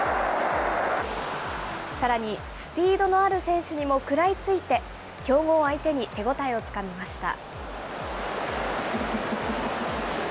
さらに、スピードのある選手にも食らいついて、強豪を相手に手応えをつかみました。